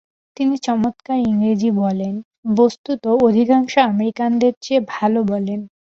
তিনি চমৎকার ইংরেজী বলেন, বস্তুত অধিকাংশ আমেরিকানদের চেয়ে ভাল বলেন।